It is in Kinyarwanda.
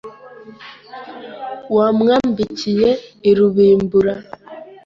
Wa mwambikiye i Rubimbura